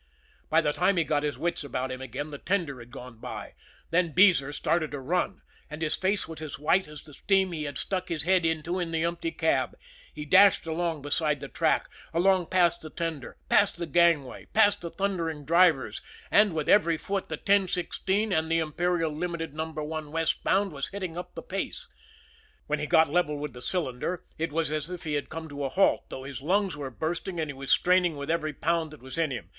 By the time he got his wits about him again the tender had gone by. Then Beezer started to run, and his face was as white as the steam he had stuck his head into in the empty cab. He dashed along beside the track, along past the tender, past the gangway, past the thundering drivers, and with every foot the 1016 and the Imperial Limited, Number One, westbound, was hitting up the pace. When he got level with the cylinder, it was as if he had come to a halt, though his lungs were bursting, and he was straining with every pound that was in him.